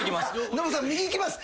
「ノブさん右いきます！」